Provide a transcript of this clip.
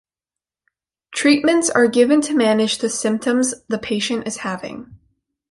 Treatments are given to manage the symptoms the patient is having.